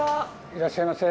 いらっしゃいませ。